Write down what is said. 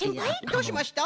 どうしました？